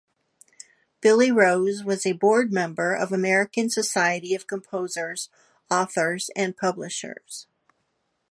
Billy Rose was a board member of American Society of Composers, Authors, and Publishers.